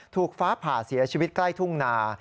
ฟ้าผ่าเสียชีวิตใกล้ทุ่งนา